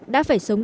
đã phải sống